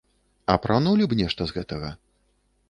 Апранулі б нешта з гэтага?